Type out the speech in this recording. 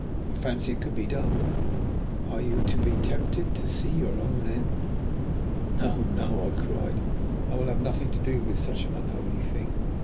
I fancy it could be done. Are you to be tempted to see your own end?" "No, no," I cried, "I will have nothing to do with such an unholy thing.